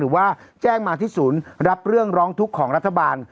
ว่าแจ้งมาที่ศูนย์รับเรื่องร้องทุกข์ของรัฐบาล